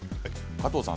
加藤さん